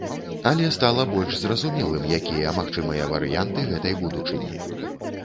Але стала больш зразумелым, якія магчымыя варыянты гэтай будучыні.